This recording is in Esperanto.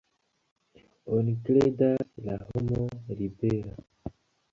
Oni kredas la homo libera.